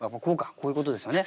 こういうことですよね。